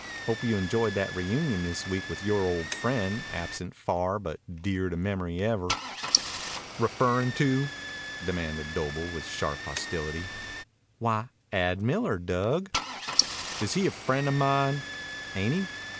Hope you enjoyed that reunion this week with yore old friend, absent far, but dear to memory ever." "Referrin' to?" demanded Doble with sharp hostility. "Why, Ad Miller, Dug." "Is he a friend of mine?" "Ain't he?"